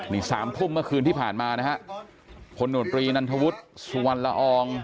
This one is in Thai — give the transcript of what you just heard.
นี่สามทุ่มเมื่อคืนที่ผ่านมานะฮะพลโนตรีนันทวุฒิสุวรรณละออง